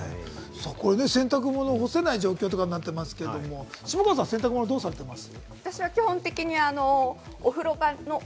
洗濯物を干せない状況となってますけど、下川さん、どうされてます？